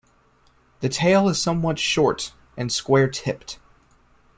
The tail is somewhat short, and square-tipped.